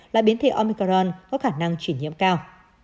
là biến thể omicron có khả năng chuyển nhiễm cao